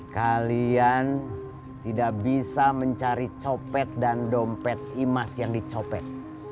kalian tidak bisa mencari copet dan dompet imas yang dicopet